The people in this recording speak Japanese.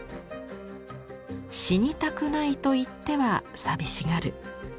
「死にたくないといっては寂しがる。